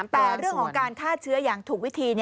แต่เรื่องของการฆ่าเชื้ออย่างถูกวิธี